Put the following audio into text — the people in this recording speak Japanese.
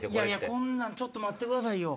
こんなんちょっと待ってくださいよ。